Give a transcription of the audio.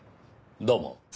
どうも。